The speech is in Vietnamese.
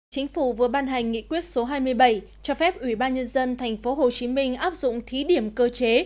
chính phủ vừa ban hành nghị quyết số hai mươi bảy cho phép ubnd tp hcm áp dụng thí điểm cơ chế